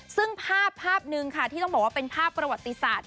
ซึ่งภาพภาพหนึ่งค่ะที่ต้องบอกว่าเป็นภาพประวัติศาสตร์